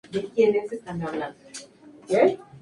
Se emplean como plantas de adorno en jardines y tiestos.